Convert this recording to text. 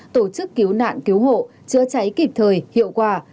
tổ chức cứu nạn cứu hộ chữa cháy kịp thời hiệu quả